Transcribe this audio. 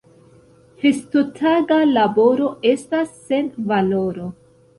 Festotaga laboro estas sen valoro.